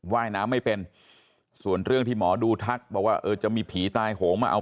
ว่ายน้ำไม่เป็นส่วนเรื่องที่หมอดูทักบอกว่าเออจะมีผีตายโหงมาเอา